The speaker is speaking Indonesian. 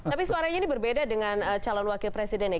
tapi suaranya ini berbeda dengan calon wakil presiden ya